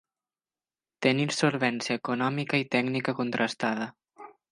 Tenir solvència econòmica i tècnica contrastada.